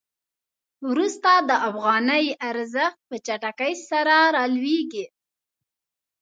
وروسته د افغانۍ ارزښت په چټکۍ سره رالویږي.